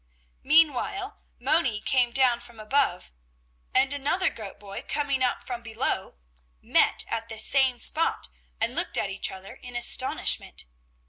Meanwhile Moni coming down from above, and another goat boy coming up from below, met at the same spot and looked at each other in astonishment.